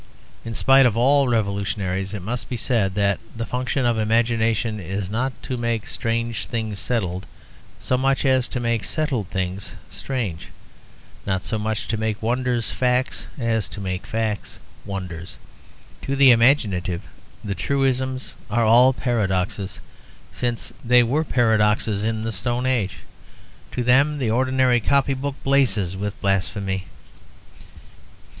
In spite of all revolutionaries it must be said that the function of imagination is not to make strange things settled, so much as to make settled things strange; not so much to make wonders facts as to make facts wonders. To the imaginative the truisms are all paradoxes, since they were paradoxes in the Stone Age; to them the ordinary copy book blazes with blasphemy.